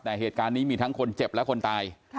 แต่เหตุการณ์นี้มีทั้งคนเจ็บและคนตาย